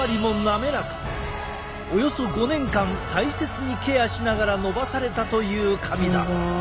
およそ５年間大切にケアしながら伸ばされたという髪だ。